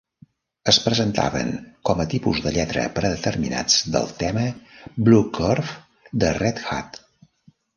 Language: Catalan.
Es presentaven com a tipus de lletra predeterminats del tema Bluecurve de Red Hat.